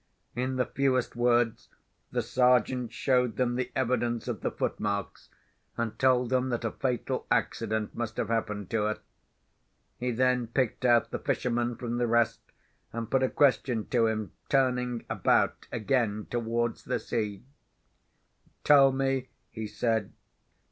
In the fewest words, the Sergeant showed them the evidence of the footmarks, and told them that a fatal accident must have happened to her. He then picked out the fisherman from the rest, and put a question to him, turning about again towards the sea: "Tell me," he said.